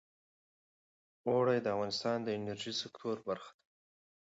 اوړي د افغانستان د انرژۍ سکتور برخه ده.